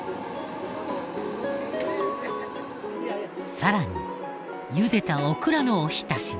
さらにゆでたオクラのおひたしに